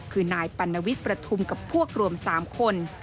คือนายปัณวิทย์ประทุมกับพวกรวม๓คน